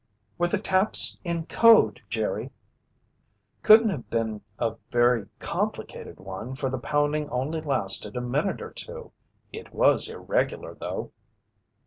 "Were the taps in code, Jerry?" "Couldn't have been a very complicated one for the pounding only lasted a minute or two. It was irregular though."